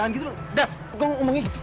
dev dev jangan gitu dong